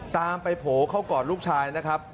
ตามไปโผล่เข้ากอดลูกชายนะครับ